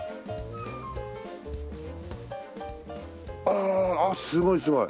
ああすごいすごい。